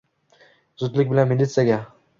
Zudlik bilan militsiyaga!